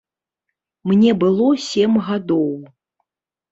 Мне было сем гадоў.